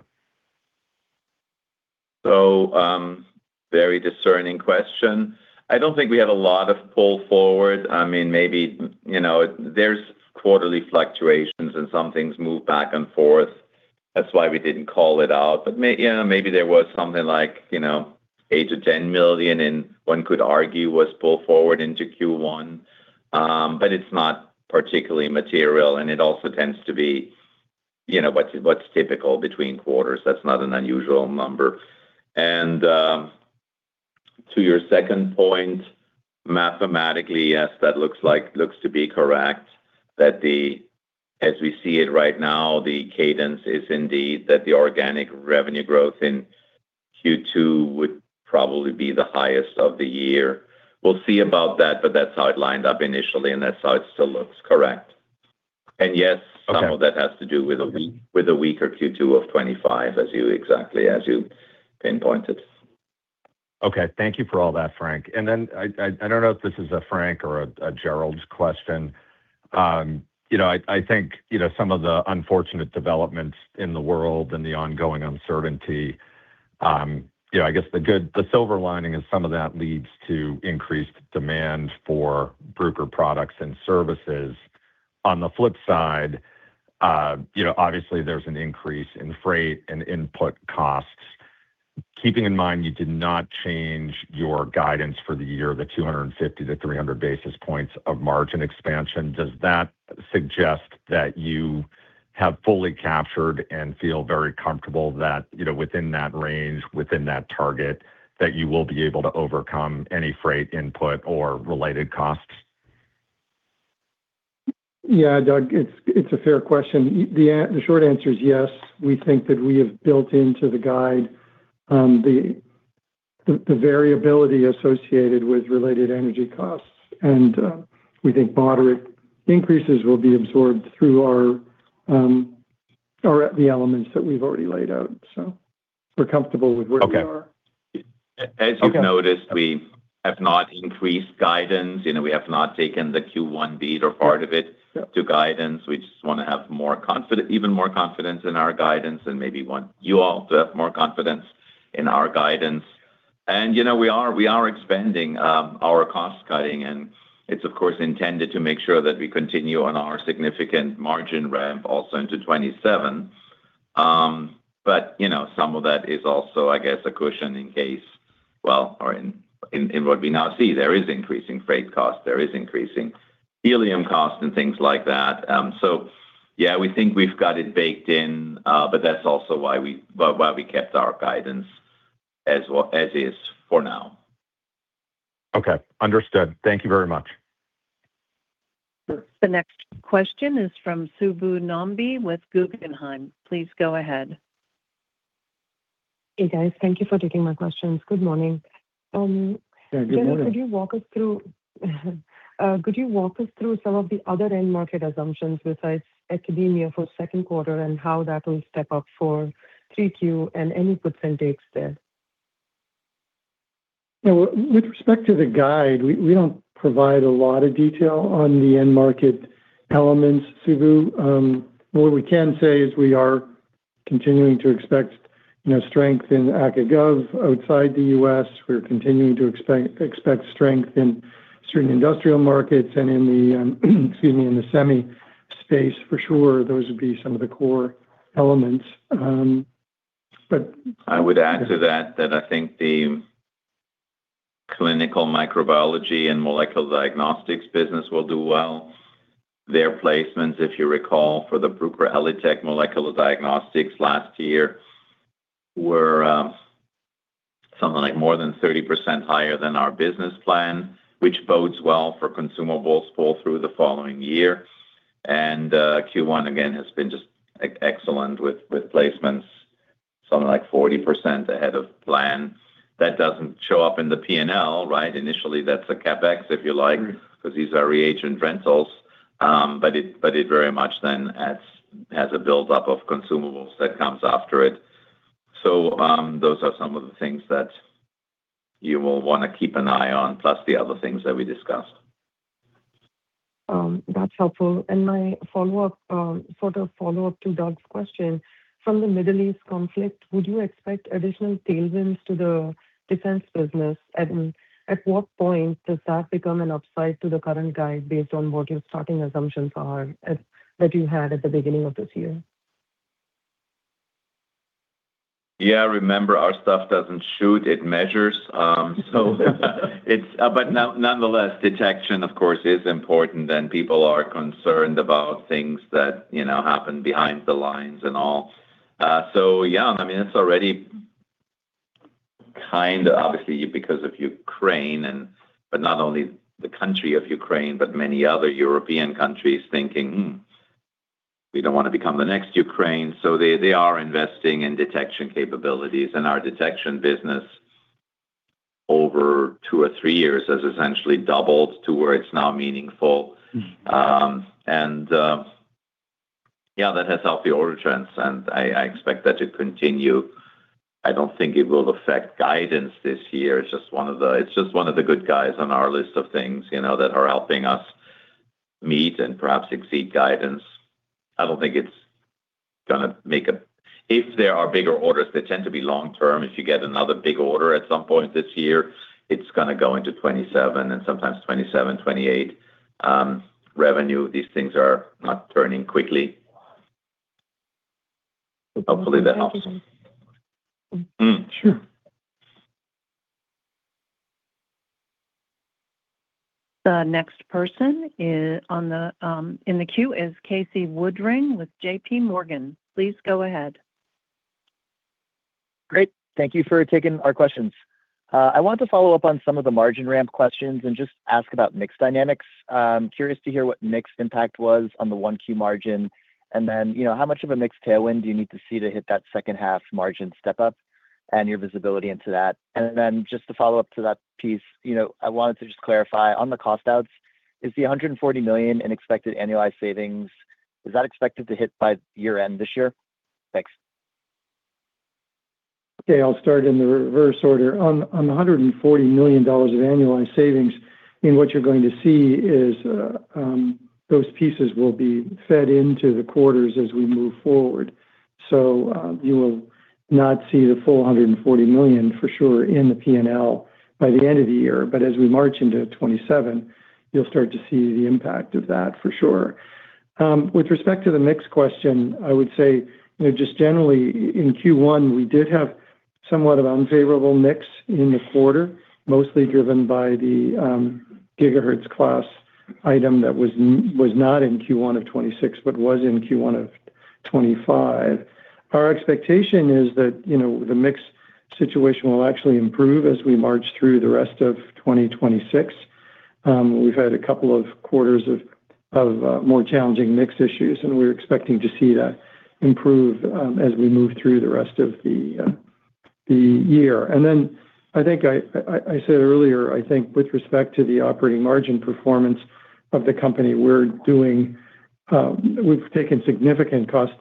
[SPEAKER 3] Very discerning question. I don't think we had a lot of pull forward. I mean, maybe, you know, there's quarterly fluctuations, and some things move back and forth. That's why we didn't call it out. Maybe there was something like, you know, $8 million-$10 million, and one could argue was pulled forward into Q1. It's not particularly material, and it also tends to be, you know, what's typical between quarters. That's not an unusual number. To your second point, mathematically, yes, that looks to be correct that the, as we see it right now, the cadence is indeed that the organic revenue growth in Q2 would probably be the highest of the year. We'll see about that, but that's how it lined up initially, and that's how it still looks. Correct. Yes.
[SPEAKER 9] Okay
[SPEAKER 3] some of that has to do with a weaker Q2 of 2025, as you exactly pinpointed.
[SPEAKER 9] Okay. Thank you for all that, Frank. I, I don't know if this is a Frank or a Gerald question. You know, I think, you know, some of the unfortunate developments in the world and the ongoing uncertainty, you know, I guess the silver lining is some of that leads to increased demand for Bruker products and services. On the flip side, you know, obviously there's an increase in freight and input costs. Keeping in mind you did not change your guidance for the year, the 250-300 basis points of margin expansion, does that suggest that you have fully captured and feel very comfortable that, you know, within that range, within that target, that you will be able to overcome any freight input or related costs?
[SPEAKER 4] Yeah, Doug, it's a fair question. The short answer is yes. We think that we have built into the guide the variability associated with related energy costs. We think moderate increases will be absorbed through our or at the elements that we've already laid out. We're comfortable with where we are.
[SPEAKER 9] Okay.
[SPEAKER 3] As you've noticed.
[SPEAKER 4] Okay
[SPEAKER 3] We have not increased guidance. You know, we have not taken the Q1 beat or part of it.
[SPEAKER 4] Yeah
[SPEAKER 3] to guidance. We just wanna have more even more confidence in our guidance and maybe want you all to have more confidence in our guidance. You know, we are expanding our cost-cutting, and it's of course intended to make sure that we continue on our significant margin ramp also into 2027. You know, some of that is also, I guess, a cushion in case well or in what we now see, there is increasing freight costs, there is increasing helium costs, and things like that. Yeah, we think we've got it baked in, but that's also why we kept our guidance as well as is for now.
[SPEAKER 9] Okay. Understood. Thank you very much.
[SPEAKER 4] Sure.
[SPEAKER 1] The next question is from Subbu Nambi with Guggenheim. Please go ahead.
[SPEAKER 10] Hey, guys. Thank you for taking my questions. Good morning.
[SPEAKER 4] Yeah, good morning.
[SPEAKER 10] Gerald, could you walk us through some of the other end market assumptions besides academia for second quarter and how that will step up for 3Q and any percentage there?
[SPEAKER 4] Well, with respect to the guide, we don't provide a lot of detail on the end market elements, Subbu. What we can say is we are continuing to expect, you know, strength in ACA/GOV outside the U.S. We're continuing to expect strength in certain industrial markets and in the, excuse me, in the semi space for sure. Those would be some of the core elements.
[SPEAKER 3] I would add to that I think the clinical microbiology and molecular diagnostics business will do well. Their placements, if you recall, for the Bruker ELITech molecular diagnostics last year were something like more than 30% higher than our business plan, which bodes well for consumables pull through the following year. Q1 again has been just excellent with placements, something like 40% ahead of plan. That doesn't show up in the P&L, right? Initially, that's a CapEx, if you like. 'cause these are reagent rentals. It, but it very much then has a buildup of consumables that comes after it. Those are some of the things that you will wanna keep an eye on, plus the other things that we discussed.
[SPEAKER 10] That's helpful. My follow-up, sort of follow-up to Doug's question. From the Middle East conflict, would you expect additional tailwinds to the defense business? At what point does that become an upside to the current guide based on what your starting assumptions that you had at the beginning of this year?
[SPEAKER 3] Yeah, remember, our stuff doesn't shoot, it measures. Nonetheless, detection, of course, is important, and people are concerned about things that, you know, happen behind the lines and all. Yeah, I mean, it's already kind of obviously because of Ukraine and not only the country of Ukraine, but many other European countries thinking, "Hmm, we don't want to become the next Ukraine." They are investing in detection capabilities, and our detection business over two or three years has essentially doubled to where it's now meaningful. Yeah, that has helped the order trends, and I expect that to continue. I don't think it will affect guidance this year. It's just one of the good guys on our list of things, you know, that are helping us meet and perhaps exceed guidance. I don't think it's gonna make. If there are bigger orders, they tend to be long-term. If you get another big order at some point this year, it's gonna go into 2027 and sometimes 2027, 2028 revenue. These things are not turning quickly. Hopefully that helps. Sure.
[SPEAKER 1] The next person is on the in the queue is Casey Woodring with JPMorgan. Please go ahead.
[SPEAKER 11] Great. Thank you for taking our questions. I wanted to follow up on some of the margin ramp questions and just ask about mix dynamics. Curious to hear what mix impact was on the 1Q margin, you know, how much of a mix tailwind do you need to see to hit that second half margin step up and your visibility into that? Just to follow up to that piece, you know, I wanted to just clarify on the cost outs, is the $140 million in expected annualized savings, is that expected to hit by year-end this year? Thanks.
[SPEAKER 4] Okay, I'll start in the reverse order. On the $140 million of annualized savings, I mean, what you're going to see is those pieces will be fed into the quarters as we move forward. You will not see the full $140 million for sure in the P&L by the end of the year. As we march into 2027, you'll start to see the impact of that for sure. With respect to the mix question, I would say, you know, just generally in Q1, we did have somewhat of unfavorable mix in the quarter, mostly driven by the gigahertz class item that was not in Q1 of 2026, but was in Q1 of 2025. Our expectation is that, you know, the mix situation will actually improve as we march through the rest of 2026. We've had a couple of quarters of more challenging mix issues, and we're expecting to see that improve as we move through the rest of the year. I said earlier with respect to the operating margin performance of the company, we've taken significant cost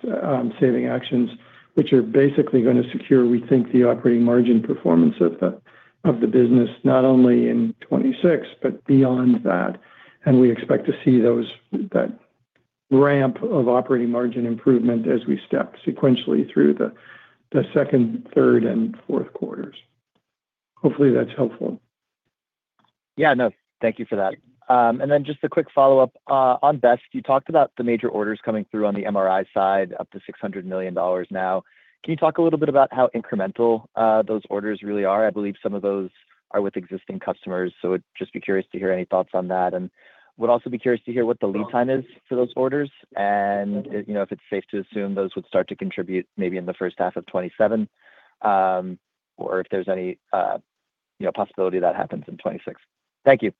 [SPEAKER 4] saving actions, which are basically going to secure, we think, the operating margin performance of the business, not only in 2026, but beyond that. We expect to see that ramp of operating margin improvement as we step sequentially through the second, third, and fourth quarters. Hopefully, that's helpful.
[SPEAKER 11] Yeah, no. Thank you for that. Just a quick follow-up on BEST. You talked about the major orders coming through on the MRI side, up to $600 million now. Can you talk a little bit about how incremental those orders really are? I believe some of those are with existing customers. Would just be curious to hear any thoughts on that. Would also be curious to hear what the lead time is for those orders, and, you know, if it's safe to assume those would start to contribute maybe in the first half of 2027, or if there's any, you know, possibility that happens in 2026. Thank you.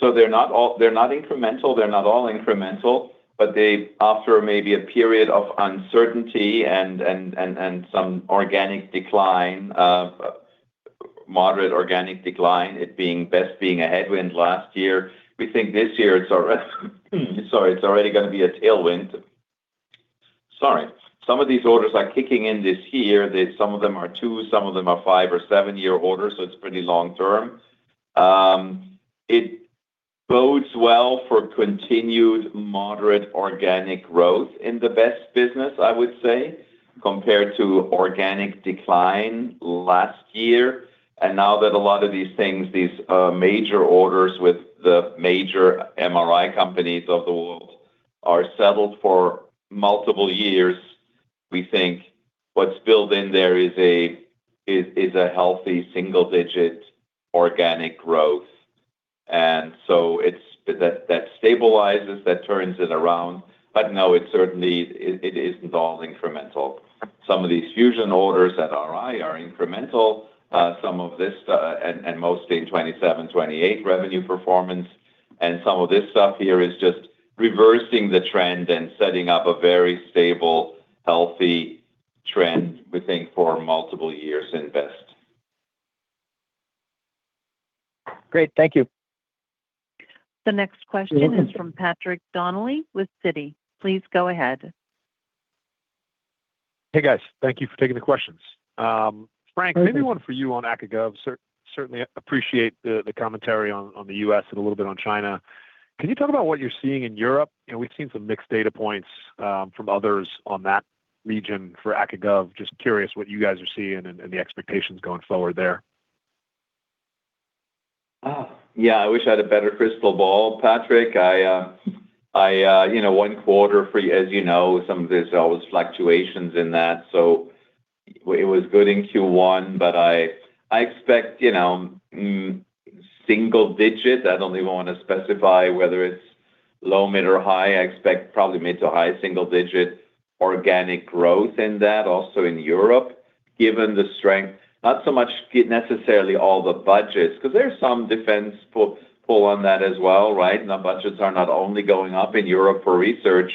[SPEAKER 3] They're not incremental. They're not all incremental, but they, after maybe a period of uncertainty and some organic decline, moderate organic decline, `BEST` being a headwind last year, we think this year it's already going to be a tailwind. Sorry. Some of these orders are kicking in this year. Some of them are two, some of them are five or seven-year orders, so it's pretty long-term. It bodes well for continued moderate organic growth in the `BEST` business, I would say, compared to organic decline last year. Now that a lot of these things, these major orders with the major `MRI` companies of the world are settled for multiple years, we think what's built in there is a healthy single-digit organic growth. That stabilizes, that turns it around. No, it certainly isn't all incremental. Some of these fusion orders at RI are incremental. Some of this stuff mostly 2027, 2028 revenue performance. Some of this stuff here is just reversing the trend and setting up a very stable, healthy trend, we think, for multiple years in BEST.
[SPEAKER 11] Great. Thank you.
[SPEAKER 1] The next question is from Patrick Donnelly with Citi. Please go ahead.
[SPEAKER 12] Hey, guys. Thank you for taking the questions. Frank, maybe one for you on ACA/GOV Certainly appreciate the commentary on the U.S. and a little bit on China. Can you talk about what you're seeing in Europe? You know, we've seen some mixed data points from others on that region for ACA/GOV. Just curious what you guys are seeing and the expectations going forward there.
[SPEAKER 3] Yeah. I wish I had a better crystal ball, Patrick. I, you know, 1 quarter as you know, some of this always fluctuations in that. It was good in Q1, but I expect, you know, single digit. I don't even want to specify whether it's low, mid, or high. I expect probably mid to high single digit organic growth in that also in Europe, given the strength, not so much necessarily all the budgets, because there's some defense pull on that as well, right? Our budgets are not only going up in Europe for research,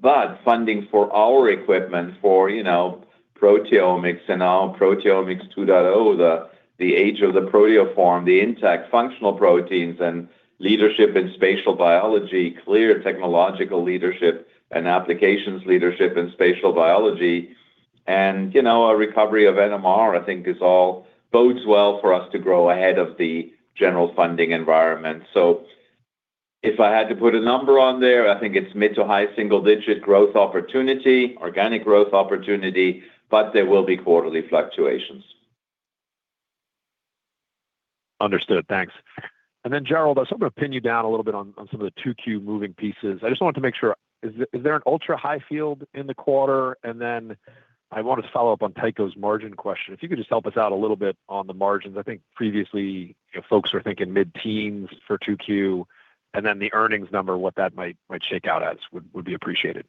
[SPEAKER 3] but funding for our equipment for, you know, proteomics and our proteomics 2.0, the age of the proteoform, the intact functional proteins and leadership in spatial biology, clear technological leadership and applications leadership in spatial biology. You know, a recovery of NMR, I think bodes well for us to grow ahead of the general funding environment. If I had to put a number on there, I think it's mid-to-high single-digit growth opportunity, organic growth opportunity, but there will be quarterly fluctuations.
[SPEAKER 12] Understood. Thanks. Gerald Herman, I just want to pin you down a little bit on some of the 2Q moving pieces. I just wanted to make sure, is there an ultra-high field in the quarter? I want to follow up on Tycho Peterson's margin question. If you could just help us out a little bit on the margins. I think previously folks were thinking mid-teens for 2Q. The earnings number, what that might shake out as would be appreciated.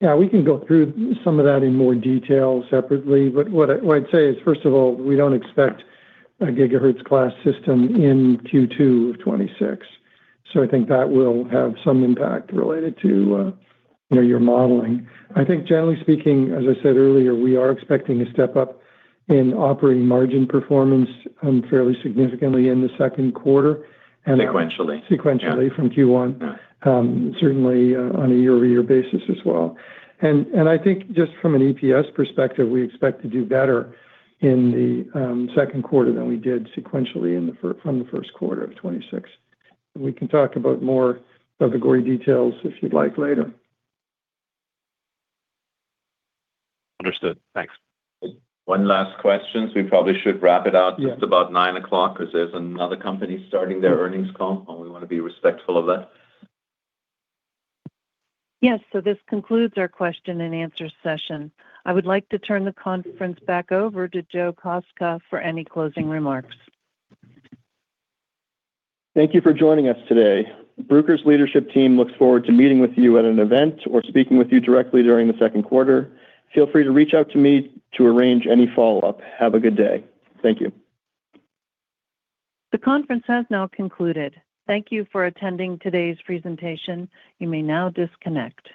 [SPEAKER 4] Yeah, we can go through some of that in more detail separately. What I'd say is, first of all, we don't expect a gigahertz class system in Q2 of 2026. I think that will have some impact related to, you know, your modeling. I think generally speaking, as I said earlier, we are expecting a step up in operating margin performance, fairly significantly in the second quarter.
[SPEAKER 3] Sequentially
[SPEAKER 4] sequentially from Q1, certainly on a year-over-year basis as well. I think just from an EPS perspective, we expect to do better in the second quarter than we did sequentially from the first quarter of 2026. We can talk about more category details, if you'd like, later.
[SPEAKER 12] Understood. Thanks.
[SPEAKER 3] One last question. We probably should wrap it up.
[SPEAKER 4] Yeah.
[SPEAKER 3] It's just about 9 o'clock because there's another company starting their earnings call, and we want to be respectful of that.
[SPEAKER 1] Yes. This concludes our question and answer session. I would like to turn the conference back over to Joe Kostka for any closing remarks.
[SPEAKER 2] Thank you for joining us today. Bruker's leadership team looks forward to meeting with you at an event or speaking with you directly during the second quarter. Feel free to reach out to me to arrange any follow-up. Have a good day. Thank you.
[SPEAKER 1] The conference has now concluded. Thank you for attending today's presentation. You may now disconnect.